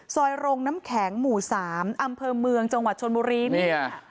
ซอยโรงน้ำแข็งหมู่สามอำเภิงเมืองจนวัดชนมุรีนี่ค่ะ